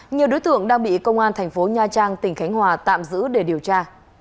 nhiều đối tượng đang bị công an thành phố nha trang tỉnh khánh hòa tạm giữ để điều tra